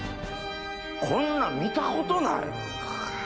こんなん見たことない！